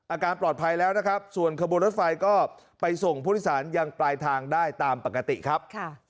อาการปลอดภัยแล้วนะครับส่วนขบวนรถไฟก็ไปส่งผู้โดยสารยังปลายทางได้ตามปกติครับ